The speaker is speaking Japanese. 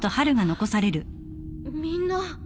みんな。